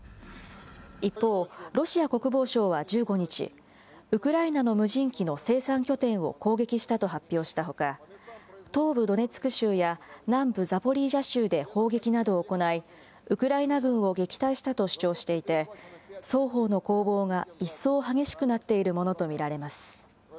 一方、ロシア国防省は１５日、ウクライナの無人機の生産拠点を攻撃したと発表したほか、東部ドネツク州や南部ザポリージャ州で砲撃などを行い、ウクライナ軍を撃退したと主張していて、双方の攻防が一層激しくなっているものと見られます。